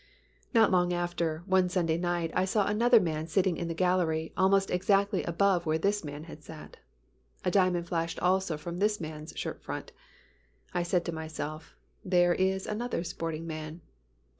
Not long after, one Sunday night I saw another man sitting in the gallery almost exactly above where this man had sat. A diamond flashed also from this man's shirt front. I said to myself, "There is another sporting man."